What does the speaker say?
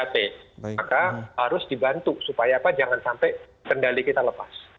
maka harus dibantu supaya apa jangan sampai kendali kita lepas